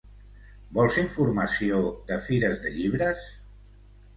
Vols informació de fires de llibres?